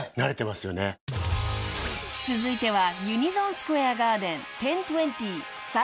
［続いては］